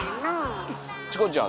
チコちゃん